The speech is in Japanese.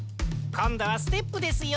こんどはステップですよ。